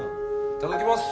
いただきます